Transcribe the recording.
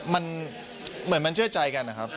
มันเหมือนมันเชื่อใจกันนะครับ